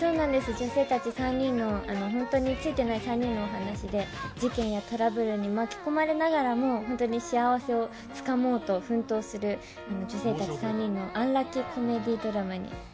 女性たち３人の本当についてない３人のお話で、事件やトラブルに巻き込まれながらも、本当に幸せをつかもうと奮闘する女性たち３人の、アンラッキーコメディードラマになってます。